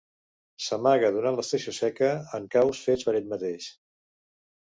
S'amaga, durant l'estació seca, en caus fets per ell mateix.